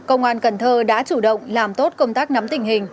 công an cần thơ đã chủ động làm tốt công tác nắm tình hình